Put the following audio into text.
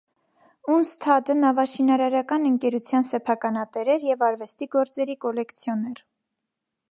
Ունսթադը նավաշինարարական ընկերության սեփականատեր էր և արվեստի գործերի կոլեկցիոներ։